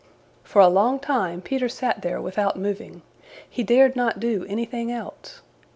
For a long time Peter sat there without moving. He dared not do anything else.